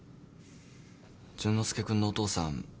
淳之介君のお父さん